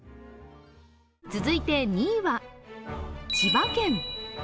続いて２位は千葉県。